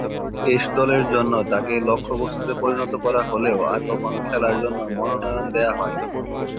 Test দলের জন্য তাকে লক্ষ্যবস্তুতে পরিণত করা হলেও আর কখনো খেলার জন্য মনোনয়ন দেয়া হয়নি।